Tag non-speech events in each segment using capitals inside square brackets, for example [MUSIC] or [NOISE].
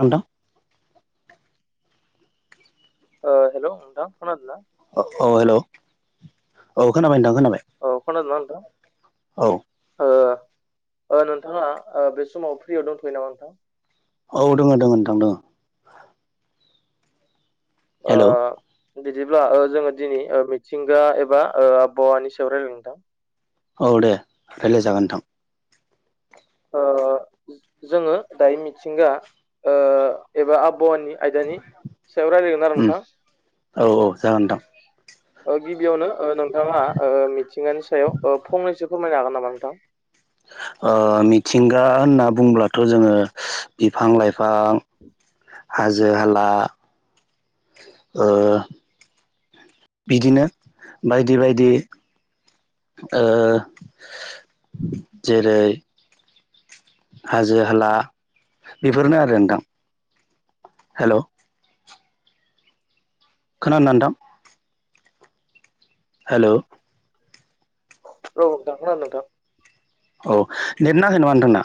नोंथां हेलौ नोंथां खोनादों ना औ हेलौ औ खोनाबाय नोंथां खोनाबाय अ खोनादोना औ नोंथां ओ नोंथाङा बे समाव फ्रियाव दंथयो नामा नोंथां औ दङ दोङ नोंथां दङ हेलौ ओ बिदिब्ला जोङो दिनै मिथिंगा एबा आबहावानि सायाव रायजलायनो नोंथां औ दे रायलाय जागोन नोंथां जोङो दायो मिथिंगा एबा आब हावानि आयदानि सायाव रायलायगोन आरो उम औ औ जागोन नोंथां गिबियावनो नोंथाङा मिथिंगानि सायाव फंनैसो फोरमायनो हागोन नामा नोंथां [INAUDIBLE] मिथिंगा होनना बुंब्लाथ जोङो बिफां लाइफां हाजो हाला बिदिनो बायदि बायदि जेरै हाजो हाला बेफोरनो आरो नोंथां हेलौ खोनादोना नोंथां हेलौ औ नोंथां खोनादों नोंथां। औ नेम नाङाखै नामा नोंथांना?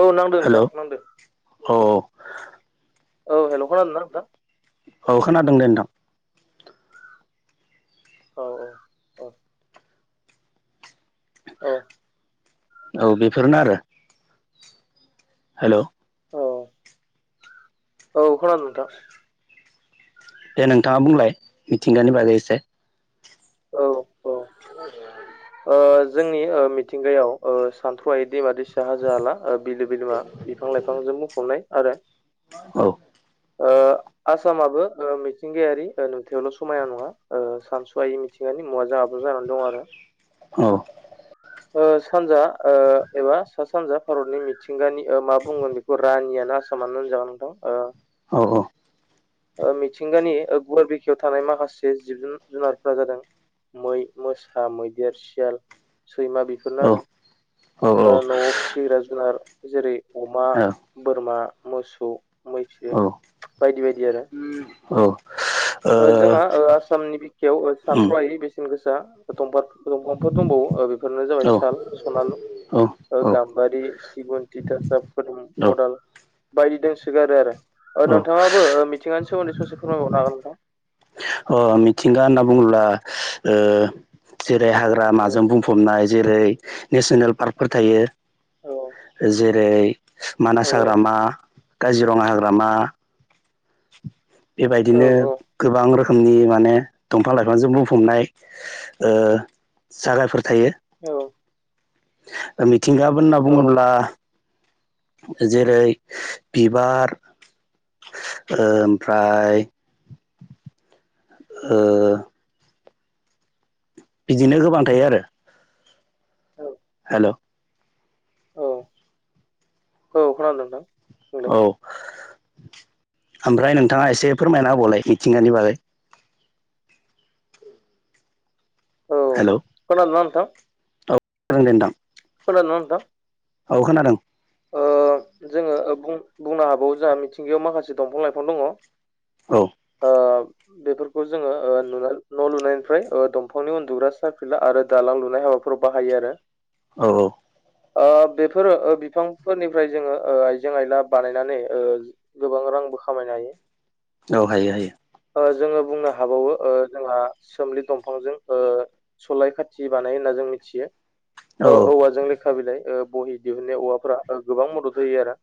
औ नांदों हेलौ नोंथां नांदों। औ औ हेल' खोनादों ना नोंथां? औ खोनादों नोंथां औ औ औ औ औ बेफोरनो आरो हेल' औ औ खानो नोंथां दे नोंथाङा बुंलाय मिथिंगानि बागै एसे औ औ ओ जोंनि मिथिंगायाव सानथौ आइ दैमा दैसा हाजो हखला बिलो बिलोमा बिफां लाइफांजों मुफबनाय आरो औ आसामाबो मिथिंगायारि नुथायावल' समायना नङा सानसुवायै मि थिंगानि मुवाजों आबुं जानानै दं आरो। औ सानजा एबा सा सानजा भारतनि मिथिंगानि मा बुंगोन बेखौ रानिय ना सोमोनाननो जागोनथ औ औ मिथिंगानि गुवार बिखायाव थानाय माखासे जिब जुब जुनारफ्रा जादों। मै मोसा मैदेर सियाल सैमा बेफोरनो आरो न'आव फिसिग्रा जुनार जेरै अमा बोरमा मोसौ मैथो बायदि बायदि आरो ओ जोंहा ओ आसामनि बिखायाव सानथ्र' हायि बेसेन गोसा दंफ दंफांफोर दंबावो बेफोरनो जाबाय साल सनालु औ गाम्बारि सिगन्थि थासदोम औ अदाल बायदि दंसोगारो आरो औ नोंथाङाबो मिथिंगानि सोमोन्दै ससे फोरमायबावनो हागोन नोंथां। अ मिथिंगा होनना बुङोब्ला जेरै हाग्रा औ माजों बुंफबनाय जेरै नेसनेल पार्कफोर थायो। जेरै औ मानास हाग्रामा काजिरङा हाग्रामा औ बेबायदिनो गोबां रोखोमनि माने दंफां लाइफांजों बुंफबनाय जागायफोर थायो। औ मिथिंगा होनना औ बुङोब्ला जेरै बिबार ओमफ्राय ओ बिदिनो गोबां थायो आरो। हेलौ औ औ खोनादों नोंथां। बुंलाय औ ओमफ्राय नोंथाङा एसे फोरमायनाबलाय मिथिंगानि बागै हेलौ खोनादों ना नोंथां [INAUDIBLE] खोनादों ना नोंथां औ खोनादों। जोङो बुंनो हाबावो जोंहा मिथिंगायाव माखासे दंफां लाइफां दङ औ ओ बेफोरखौ जोङो ओ नुना न' लुनायनिफ्राय ओ दंफांनि उन्दुग्रा सारफिला आरो दालां लुनाय हाबा फोराव बाहायो आरो औ औ ओ बेफोरो ओ बिफांफोरनिफ्राय जोङो ओ आइजें-आइला बानायनानै ओ गोबां रां आंबो खामायनो हायो । औ हायो हायो ओ जोङो बुंनो हाबावो ओ जोंहा सोमलि दंफांजों ओ सलाय खाथि बानायो होनना जों मिथियो ओ औ औवाजों लेखा बिलाइ ओ बहि दिहुननायाव औवाफोरा ओ गोबां मदद होयो आरो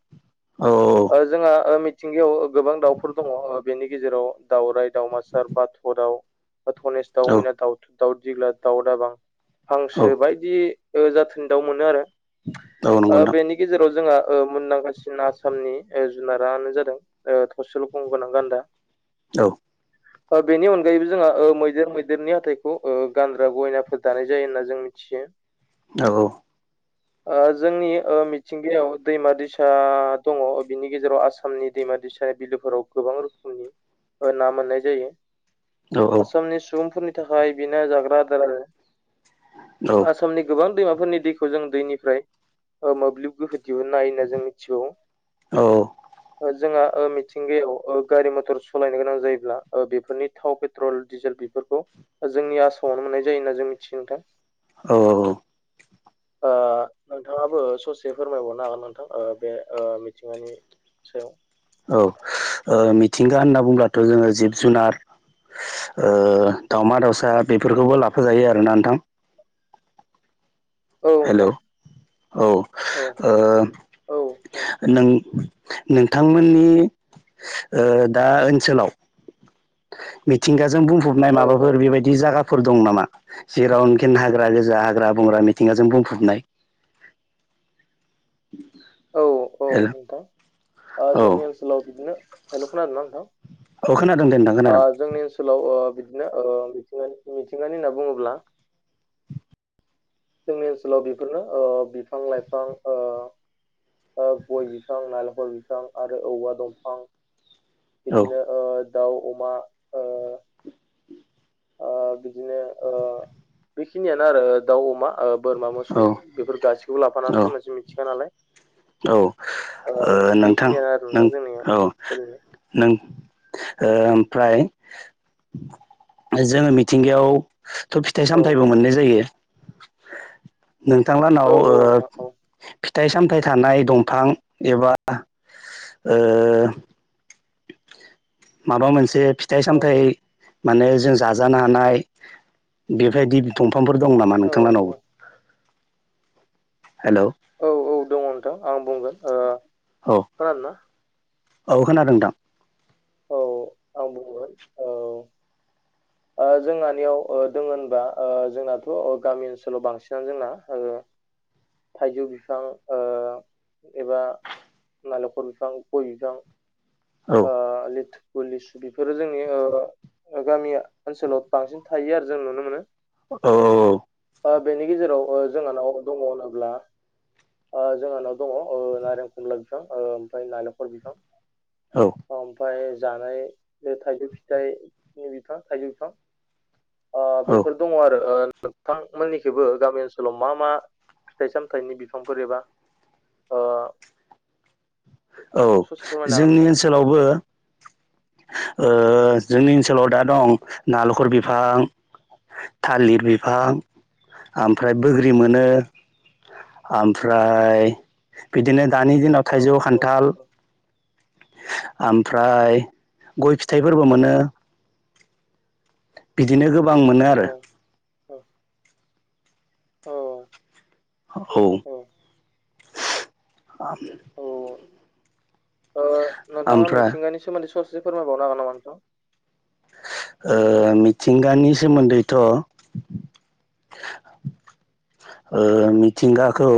औ ओ जोंहा ओ मिथिंगायाव ओ गोबां दाउफोर दङ' ओ बेनि गेजेराव दाउराय दावमासार बाथ' दाव बा धनेस औ दाउमैना दाउथु दाउ दिग्ला दाउ दाबां औ औ हांसो बायदि ओ जाथोनि दाउ मोनो आरो औ नंगौ ओ नोंथां बेनि गेजेराव जो जोंहा ओ मुंदांखासिन आसामनि ओजुनारानो जादों ओ थसेल' गं गोनां गान्दा औ ओ बेनि अनगायैबो जोंहा ओ मैदेर मैदेरनि हाथाइखौ ओ गानद्रा गहेनाफोर दानाय जायो होनना जों मिथि थियो औ औ ओ जोंनि ओ मिथिंगायाव दैमा-दैसा दङ' बिनि गेजेराव आसामनि दै दैमा-दैसानि बिलोफोराव गोबां रोखोमनि ना मोननाय जायो औ आसामनि सुबुंफोरनि थाखाय बिनो जाग्रा आदार आरो आसामनि गोबां दैमाफोरनि दैखौ जों दैनिफ्राय ओ मोब्लिब गोहो दिहुननो हायो होनना जों मिथिगौ जोंहा ओ मिथिंगायाव ओ गारि मटर स'लायनो गोनां जायोब्ला ओ बेफोरनि थाव पेट्रल डिजेल बेफोर जोंनि आसामावनो मोननाय जायो होनना जों मिथियो नोंथां औ ओ औ ओ नोंथाङाबो ससे फोरमायबावनो हागोन नोंथां ओ बे ओ मिथिंगानि सायाव औ ओ मिथिंगा होनना बुंब्लाथ' जोङो जिब-जुनार ओ दावमा- दाउसा बेफोरखौबो लाफा जायोआरोना नोंथां? हेल' औ ओ औ औ औ नों नोंथांमोननि ओ दा ओनसोलाव मिथिंगाजों बुंफबनाय औ माबाफोर बेबायदि जागाफोर दं नामा? जेरावनोखिन हाग्रा गोजा हाग्रा बंग्रा मिथिंगाजों बुंफबनाय [INAUDIBLE] औ औ हेल' नोंथां ओ औ जोंनि ओनसोलाव बिदिनोहेल' खोनादोंना औ खोनादों दे नोंथां नों- ओ खोनादों जोंनि ओनसोलाव ओ बिदिनो ओ मिथिंगानि ‌मिथिंगानि होनना बुङोब्ला जोंनि ओनसोलाव बेफोरनो ओ बिफां-लाइफां ओ गय बिफां नालेंखर बिफां आरो औवा दंफां औ बिदिनो ओ दाउ अमा ओ ओ बिदिनो ओ बेखिनियानो आरो ओ दाउ अमा आरो ओ बोरमा मोसौ औ बेफोर गासिखौबो औ लाफानानैसो मोनसे मिथिगा नालाय औ ओ ओ नोंथां बेखिनियानो आरो नों नोंथां जोंनियाव औ सोलिनाय नों ओमफ्राय जोङो मिथिंगायाव थ' फिथाइ सामथाइबो औ मोननाय जायो नोंथांलानाव औ औ ओ नोंथां औ फिथाइ-सामथाइ थानाय दंफां एबा ओ माबा मोनसे फिथाइ औ -सामथाइ माने जों जाजानो हानाय बेबायदि दंफांफोर दं नामा औ औ नोंथांलाहानाव हेलौ औ औ दङ' नोंथां आं बुंगोन औ खोनादोंना औ खोनादों नोंथां औ आं बुंगोन औ ओ जोंहानियाव दङ' होनबा जोंनाथ' गामि ओनसोलाव बांसिनानो जोंना थाइजौ बिफां ओ एबा नालेंखर बिफां गय बिफां औ ओ लिथुु लिसु बेफोरो जोंनि ओ गामिया ओनसोलाव बांसिन थायो आरो जों नुनो मोनो औ बेनि गेजेराव जोंहानाव दङ' होनोब्ला ओ जोंहानाव दङ' नारें खमला बिफां ओमफ्राय नालेंखल बिफां औ ओमफाय जानाय बे थाइजौ फिथाइनि बिफां थाइजौ बिफां औ बेफोर ओ दङ' आरो ओ नोंथांमोननिखैबो गामि ओनसोलाव मा मा फिथाइ सामथाइनि बिफांफोर एबा ओ [INAUDIBLE] औ ससे फोरमायनो हागोन जोंनि नोंथां? ओनसोलावबो ओ जोंनि ओनसोलाव दा दं नालेंखर बिफां थालिर बिफां ओमफ्राय बोग्रि मोनो ओमफ्राय बिदिनो दानि दिनाव औ थाइजौ औ खानथाल ओमफ्राय गय फिथाइफोरबो मोनो बिदिनो गोबां मोनो औ आरो औ औ ओ नोंथाङा ओमफ्राय मिथिंगानि सोमोनदै साव फोरमायबावनो हागोन नामा नोंथां? ओ मिथिंगानि सोमोनदैथ' ओ मिथिंगाखौ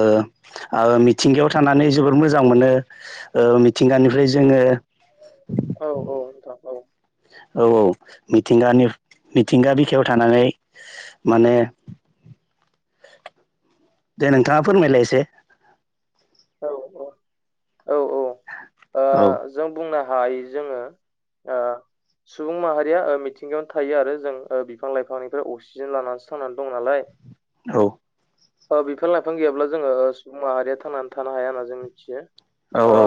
ओ ओ मिथिंगायाव थानानै जोबोर मोजां मोनो मिथिंगानिफ्राय जोङो औ औ नोंथां औ औ औ मिथिंगानि मिथिंगा बिखायाव थानानै माने दे नोंथाङा फोरमायलाय एसे औ औ औ ओ औ जों बुंनो हायो जोङो ओ सुबुं माहारिया ओ मिथिंगायावनो थायो आरो जों बिफां लाइफांनिफ्राय अक्सिजेन लानानैसो थांनानै दं नालाय औ बिफां-लाइफां गैयाब्ला जोङो सुबुं माहारिया थांनानै थानो हाया होनना जों मिथियो औ आ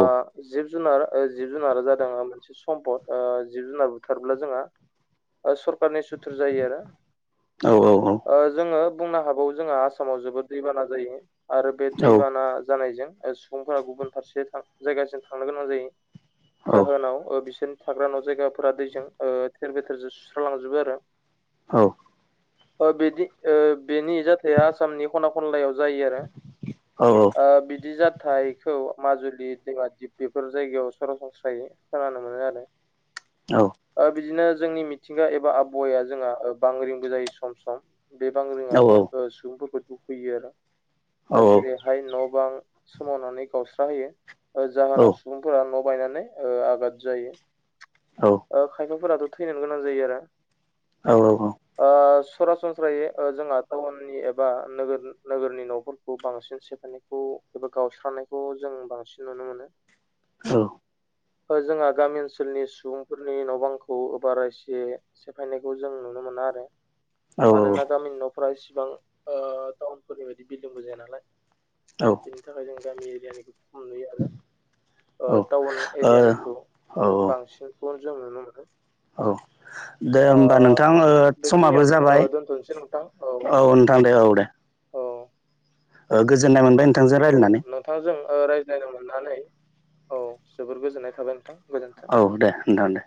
जिब जुनार जिब-जुनारा जादों मोनसे समपद जिब-जुनार बुथारब्ला जोंहा सरखारारनि सुथुर जायो आरो औ ओ‌जोङो बुंनो हागौ जोंहा आसामाव जोबोद दैबाना जायो आरो बे औ दैबाना जानायजों सुबुंफोरा गुबुन फारसे जायगासिम थांनो गोनां जायो। औ जाहोनाव ओ बिसोरनि थाग्रा न' जायगाफोरा दैजों ओ थेर-बेथेरजों सुस्रा लांजोबो आरो। औ ओ बेनि ओ बेनि जाथाया आसामनि ख'ना ख'नलायाव जायो आरो। औ औ ओ बिदि जाथायखौ माजुलि दैमा दिप बेफोर जायगायाव सरासनस्रायै खोनानो मोनो आरो। औ ओ बिदिनो जोंनि मिथिंगा एबा आबहावाया जोंहा बांग्रिंबो जायो सम सम। बे औ बांग्रिंआबो ओ सुबुंफोरखौ दुखैयो आरो जेरै न' बां सोमावनानै गावस्रा होयो जाहोनाव सुबुंफोरा' न बायनानै ओ आगाद जायो औ ओ खायफाफोराथ' थैनोनो गोनां जायो आरो। ओनस सरासनस्रायै ओ जोंआ टाउननि एबा नोगोर नोगोरनि न'फोरखौ बांसिन सेफ [UNINTELLIGIBLE] खौ एबा गावस्रानायखौ जों बांसिन नुनो मोनो। ओ ओ जोंहा गामि ओनसोलनि सुबुंफोरनि न' बांखौ बारा इसे सेफायनायखौ जों नुनो मोन मोना आरो। मानोना गामिनि न'फोरा इसिबां ओ टाउनफोरनि बायदि बिल्डिंबो जाया नालाय। ओ औ बेनि थाखाय जों गामि एरियानिखो नुयो आरो टाउन एरियानिखौ औ बांसिनखौ जों नुनो औ दे ओ ओमबा नोंथां ओ समाबो बेखिनियावनो ओ जाबाय दोनथ'नोसै नोंथां औ नोथां दे औ दे। औ ओ गोजोननाय मोनबाय नोंथांजों औ रायज्लायनानै। नोंथांजों ओ रायज्लायनो मोननानै औ जोबोर गोजोननाय थाबाय नोंथां। गोजोन्थों। औ दे नोथां दे।